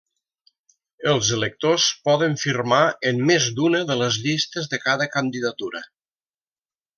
Els electors poden firmar en més d'una de les llistes de cada candidatura.